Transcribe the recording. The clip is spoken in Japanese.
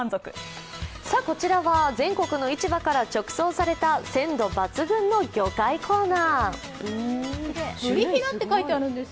こちらは全国の市場から直送された鮮度抜群の魚介コーナー。